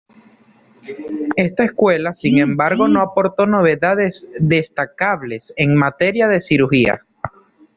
Esta escuela sin embargo no aportó novedades destacables en materia de cirugía.